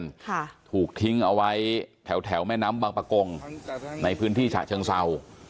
ค่ะถูกทิ้งเอาไว้แถวแถวแม่น้ำบางประกงในพื้นที่ฉะเชิงเศร้า